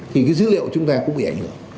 thì cái dữ liệu chúng ta cũng bị ảnh hưởng